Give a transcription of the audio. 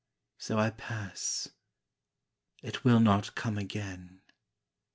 So I pass.... It will not come again.